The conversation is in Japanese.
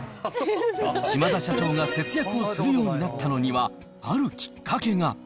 島田社長が節約をするようになったのには、あるきっかけが。